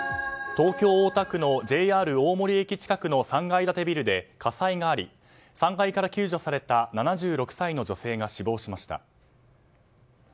東京・大田区のＪＲ大森駅近くの３階建てビルで火災があり３階から救助された７６歳の女性が死亡しました。